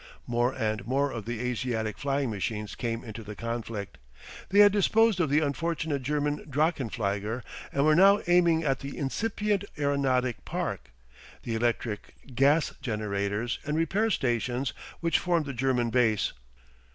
More and more of the Asiatic flying machines came into the conflict. They had disposed of the unfortunate German drachenflieger and were now aiming at the incipient aeronautic park, the electric gas generators and repair stations which formed the German base.